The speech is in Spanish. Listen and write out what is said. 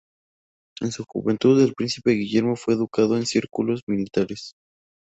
En su juventud, el príncipe Guillermo fue educado en círculos militares.